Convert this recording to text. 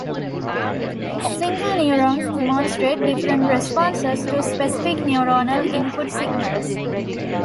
Single neurons demonstrate different responses to specific neuronal input signals.